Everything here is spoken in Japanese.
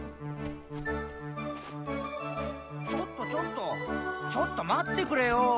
ちょっとちょっとちょっと待ってくれよ！